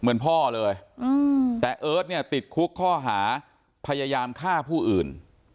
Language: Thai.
เหมือนพ่อเลยแต่เอิร์ทเนี่ยติดคุกข้อหาพยายามฆ่าผู้อื่น